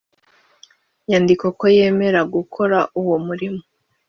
nyandiko ko yemera gukora uwo murimo